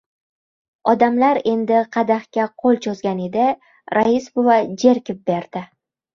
Odamlar endi qadahga qo‘l cho‘zgan edi, Rais buva jerkib berdi.